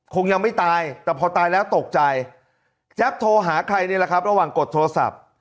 คงยังไม่ตายแต่พอตายแล้วตกใจแจ๊บโทรหาใครนี่แหละครับระหว่างกดโทรศัพท์